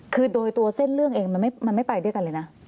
คือโดยตัวเส้นเรื่องเองมันไม่ไปด้วยกันเลยนะ